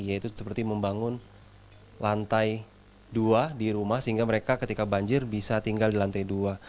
yaitu seperti membangun lantai dua di rumah sehingga mereka ketika banjir bisa tinggal di lantai dua